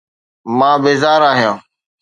مان بيزار آهيان